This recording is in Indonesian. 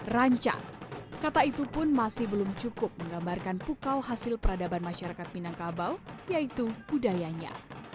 rancang kata itu pun masih belum cukup menggambarkan pukau hasil peradaban masyarakat minangkabau yaitu budayanya